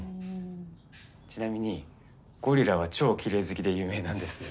ちなみにゴリラは超きれい好きで有名なんです。